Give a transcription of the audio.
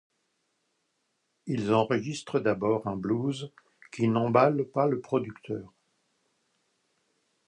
Ils enregistrent d'abord un blues qui n'emballe pas le producteur.